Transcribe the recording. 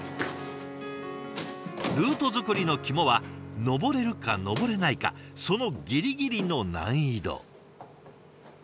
ルート作りの肝は登れるか登れないかそのギリギリの難易度。